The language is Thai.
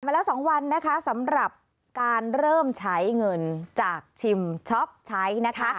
แล้ว๒วันนะคะสำหรับการเริ่มใช้เงินจากชิมช็อปใช้นะคะ